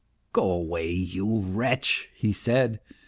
" Go away, you wretch," he said.